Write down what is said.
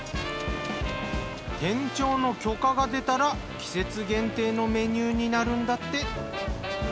店長の許可が出たら季節限定のメニューになるんだって。